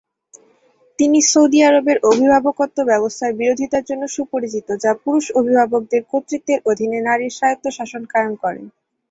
তিনি সৌদি আরবের অভিভাবকত্ব ব্যবস্থার বিরোধিতার জন্য সুপরিচিত, যা পুরুষ অভিভাবকদের কর্তৃত্বের অধীনে নারীর স্বায়ত্তশাসন কায়েম করে।